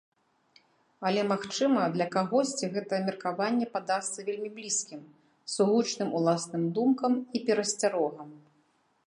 Але, магчыма, для кагосьці гэта меркаванне падасца вельмі блізкім, сугучным уласным думкам і перасцярогам.